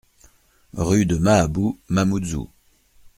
RUE DE MAHABOU, Mamoudzou